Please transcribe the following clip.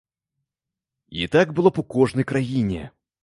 І так было б у кожнай краіне.